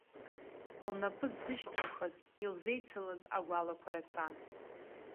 Лнапы ззышьҭылхыз, илзеицылаз агәалақәа рацәан.